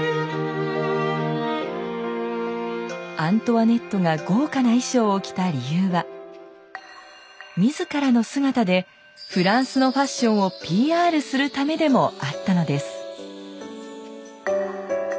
アントワネットが豪華な衣装を着た理由は自らの姿でフランスのファッションをＰＲするためでもあったのです。